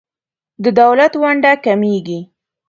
د دولت ونډه کمیږي.